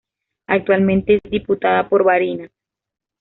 Actualmente es diputada por Barinas.